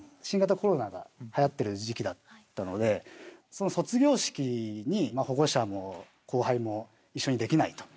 新型コロナが流行っている時期だったので卒業式に保護者も後輩も一緒にできないと。